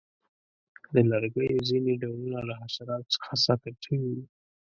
د لرګیو ځینې ډولونه له حشراتو څخه ساتل شوي وي.